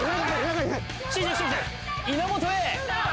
稲本へ！